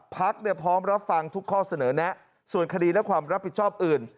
พักพร้อมรับฟังทุกข้อเสนอแนะส่วนคดีและความรับผิดชอบอื่น